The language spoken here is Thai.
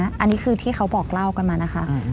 อันนี้คือที่เขาบอกเล่ากันมานะคะ